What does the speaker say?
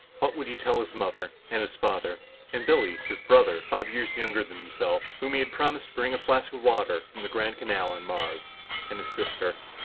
What would he tell his mother? And his father? And Billy, his brother, five years younger than himself, whom he had promised to bring a flask of water from the Grand Canal on Mars. And his sister!